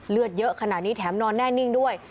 เลือดเยอะขนาดนี้แถมนอนแน่นิ่งด้วย